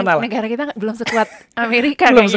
negara kita belum sekuat amerika